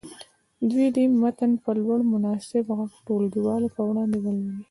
دوی دې متن په لوړ مناسب غږ ټولګیوالو په وړاندې ولولي.